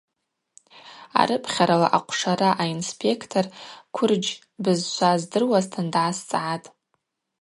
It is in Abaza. Арыпхьарала ахъвшара аинспектор квырджь бызшва здыруазтын дгӏасцӏгӏатӏ.